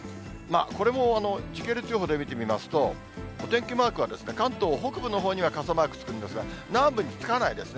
これも時系列予報で見てみますと、お天気マークは関東北部のほうには傘マークつくんですが、南部につかないですね。